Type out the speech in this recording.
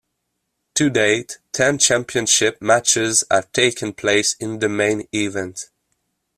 To date, ten championship matches have taken place in the main event.